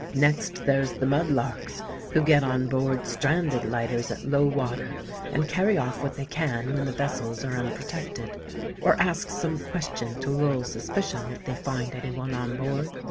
Next there's the mud larks, who get on board stranded lighters at low water, and carry off what they can when the vessels are unprotected, or ask some question to lull suspicion if they find any one on board.